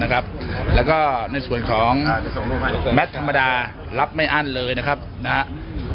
แล้วก็ในส่วนของแมทธรรมดารับไม่อั้นเลยนะครับ